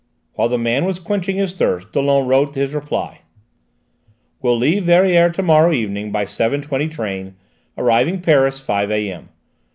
While the man was quenching his thirst Dollon wrote his reply: "Will leave Verrières to morrow evening by 7.20 train, arriving Paris 5 A.M.